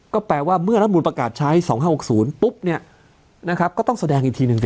ก็แปลว่าเมื่อรัฐบุรประกาศใช้๒๕๖๐ปุ๊บก็ต้องแสดงอีกทีหนึ่งสิ